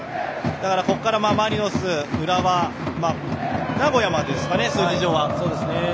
ここからマリノス、浦和名古屋もですか、数字上は。